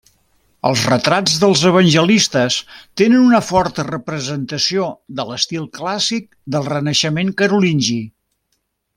Els retrats dels evangelistes tenen una forta representació de l'estil clàssic del renaixement carolingi.